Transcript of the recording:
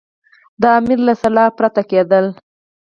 د امیر له سلا پرته کېدلې.